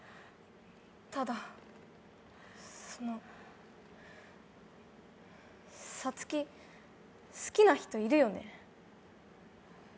ただ、そのサツキ、好きな人いるよね？